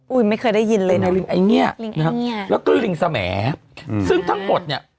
อุ้ยไม่เคยได้ยินเลยนะลิงไอ้เนี่ยแล้วก็ก็ลิงสแหมซึ่งทั้งหมดเนี่ย